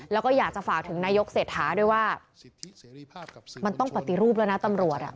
แล้วก็อยากจะฝากถึงนายกเศรษฐาด้วยว่ามันต้องปฏิรูปแล้วนะตำรวจ